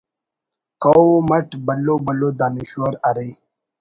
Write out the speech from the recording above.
قوم اٹ بھلو بھلو دانشور ارے